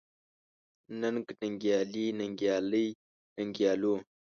ننګ، ننګيالي ، ننګيالۍ، ننګيالو ،